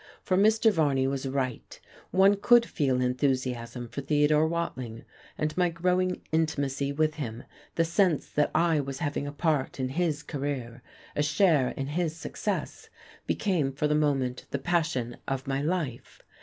For Mr. Varney was right, one could feel enthusiasm for Theodore Watling; and my growing intimacy with him, the sense that I was having a part in his career, a share in his success, became for the moment the passion of my life.